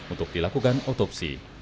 untuk dilakukan otopsi